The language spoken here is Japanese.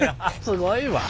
すごいわ。